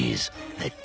最高！